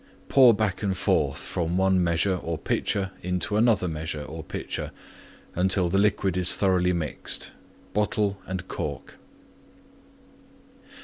Pour back and forth from one measure or pitcher into another measure or pitcher until the liquid is thoroughly mixed. Bottle and cork.